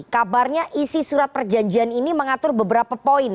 kabarnya isi surat perjanjian ini mengatur beberapa poin